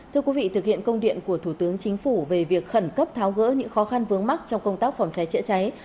thưa quý vị thực hiện công điện của thủ tướng chính phủ về việc khẩn cấp tháo gỡ những khó khăn vướng mắt trong công tác phòng cháy chữa cháy